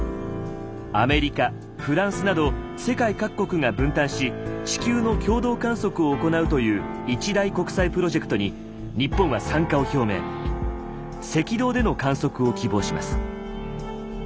アメリカフランスなど世界各国が分担し地球の共同観測を行うという一大国際プロジェクトに赤道での観測を希望します。